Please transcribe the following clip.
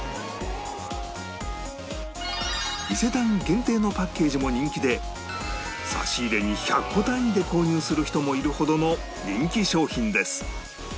伊勢丹限定のパッケージも人気で差し入れに１００個単位で購入する人もいるほどの人気商品です